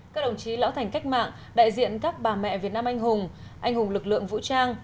các đồng chí lão thành cách mạng đại diện các bà mẹ việt nam anh hùng anh hùng lực lượng vũ trang